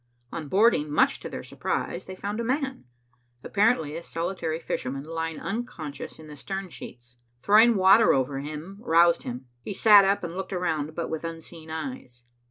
On boarding, much to their surprise, they found a man, apparently a solitary fisherman, lying unconscious in the stern sheets. Throwing water over him roused him. He sat up and looked around, but with unseeing eyes.